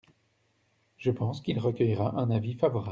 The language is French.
Je pense qu’il recueillera un avis favorable.